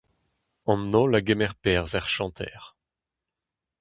An holl a gemer perzh er chanter.